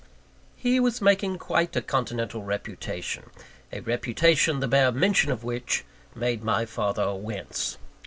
He was making quite a continental reputation a reputation, the bare mention of which made my father wince.